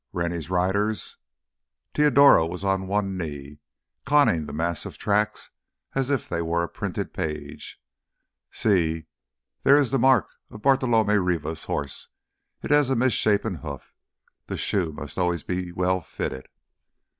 "Rennie's riders?" Teodoro was on one knee, conning the mass of tracks as if they were a printed page. "Sí—there is the mark of Bartolomé Rivas' horse. It has a misshapen hoof; the shoe must always be well fitted."